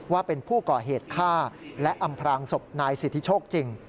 ว่าเป็นผู้ก่อเหตุฆ่าและอำพรางศพนายสิทธิโชคจริง